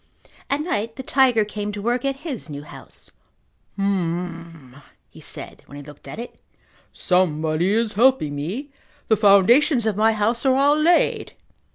At night the tiger came to work at his new house. "H'm," he said when he looked at it. "Somebody is helping me. The foundations of my house are all laid."